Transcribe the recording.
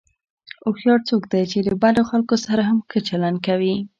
هوښیار څوک دی چې د بدو خلکو سره هم ښه چلند کوي.